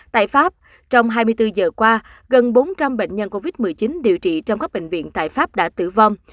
tại pháp trong hai mươi bốn giờ qua gần bốn trăm linh bệnh nhân covid một mươi chín điều trị trong các bệnh viện tại pháp đã tử vong